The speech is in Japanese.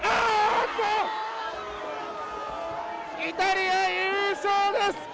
イタリア、優勝です！